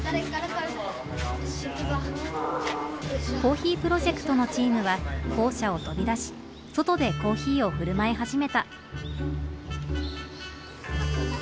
コーヒープロジェクトのチームは校舎を飛び出し外でコーヒーをふるまい始めた。